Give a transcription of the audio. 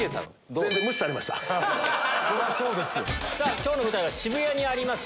今日の舞台は渋谷にあります